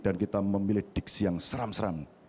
dan kita memilih diksi yang seram seram